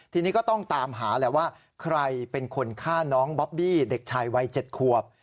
ทีนี้ก็ต้องตามหาแหละว่าใครเป็นคนฆ่าน้องบอบบี้เด็กชายวัย๗ขวบ